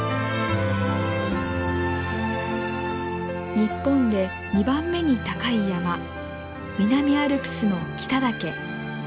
日本で二番目に高い山南アルプスの北岳。